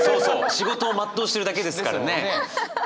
仕事を全うしてるだけですからね！